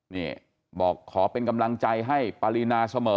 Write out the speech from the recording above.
นี่บอกขอเป็นกำลังใจให้ปรินาเสมอ